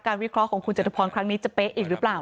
วิเคราะห์ของคุณจตุพรครั้งนี้จะเป๊ะอีกหรือเปล่า